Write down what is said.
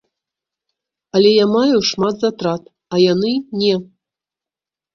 Але я маю шмат затрат, а яны не.